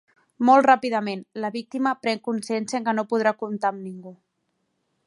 Molt ràpidament, la víctima pren consciència que no podrà comptar amb ningú.